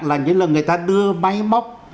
là như là người ta đưa máy móc